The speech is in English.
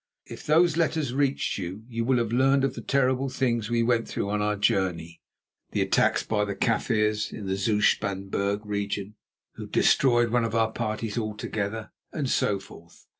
If those letters reached you, you will have learned of the terrible things we went through on our journey; the attacks by the Kaffirs in the Zoutpansberg region, who destroyed one of our parties altogether, and so forth.